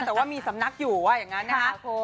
แต่ว่ามีสำนักอยู่ว่าอย่างนั้นนะคะ